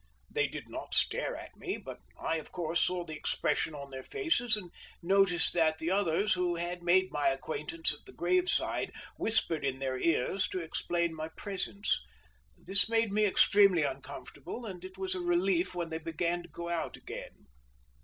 They did not stare at me, but I, of course, saw the expression on their faces, and noticed that the others who had made my acquaintance at the grave side whispered in their ears to explain my presence. This made me extremely uncomfortable, and it was a relief when they began to go out again.